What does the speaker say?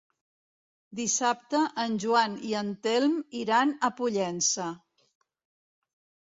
Dissabte en Joan i en Telm iran a Pollença.